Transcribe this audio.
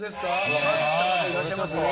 分かった方いらっしゃいます？